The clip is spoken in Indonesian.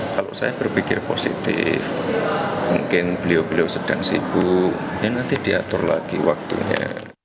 kalau saya berpikir positif mungkin beliau beliau sedang sibuk ya nanti diatur lagi waktunya